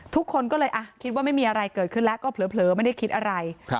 ทุกคนก็เลยคิดว่าไม่มีอะไรเกิดขึ้นแล้วก็เผลอไม่ได้คิดอะไร